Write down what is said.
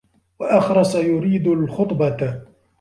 وَأَخْرَسَ يُرِيدُ الْخُطْبَةَ